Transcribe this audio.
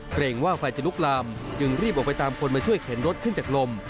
เกรงว่าไฟจะลุกลามจึงรีบออกไปตามคนมาช่วยเข็นรถขึ้นจากลม